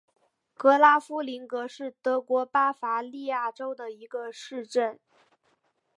格拉夫林格是德国巴伐利亚州的一个市镇。